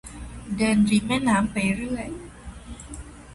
เดินริมแม่น้ำไปเรื่อย